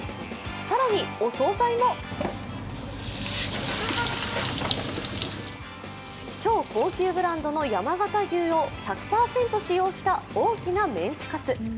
更にお総菜も超高級ブランドの山形牛を１００％使用した大きなメンチカツ。